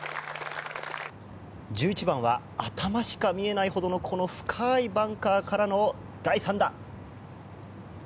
１１番は頭しか見えないほどのこの深いバンカーからの第３打。